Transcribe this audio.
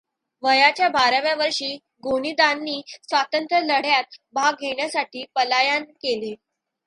वयाच्या बाराव्या वर्षी गोनीदांनी स्वातंत्र्यलढ्यात भाग घेण्यासाठी पलायन केले.